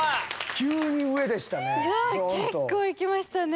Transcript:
急に上でしたね。